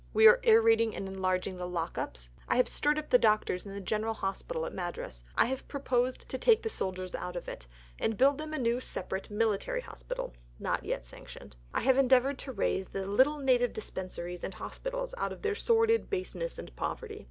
We are aerating and enlarging the lock ups. I have stirred up the doctors in the general hospital at Madras. I have proposed to take the soldiers out of it and build them a new separate military Hospital (not yet sanctioned). I have endeavoured to raise the little native dispensaries and hospitals out of their sordid baseness and poverty.